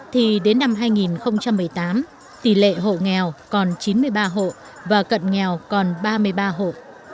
thì đến năm hai nghìn một mươi tám tỷ lệ hộ nghèo còn chín mươi ba hộ và cận nghèo còn ba mươi ba hộ